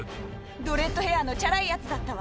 ドレッドヘアのちゃらいやつだったわ。